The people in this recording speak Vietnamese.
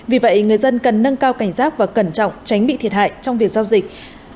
vì vậy người dân cần nâng cao cảnh giác và cẩn trọng tránh bị thiệt hại trong việc giao dịch